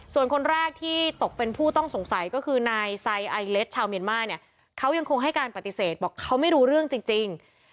ส่วนคนแรกที่ตกเป็นผู้ต้องสงสัยก็คือนายไซไอเลสชาวเมียนมาร์เนี่ยเขายังคงให้การปฏิเสธบอกเขาไม่รู้เรื่องจริง